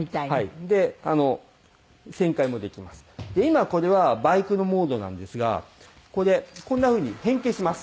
今これはバイクのモードなんですがここでこんな風に変形します。